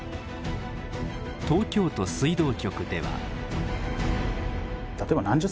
東京都水道局では。